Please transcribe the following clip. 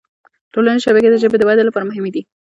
ټولنیزې شبکې د ژبې د ودې لپاره مهمي دي